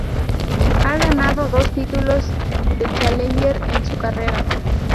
Ha ganado dos títulos de Challenger en su carrera.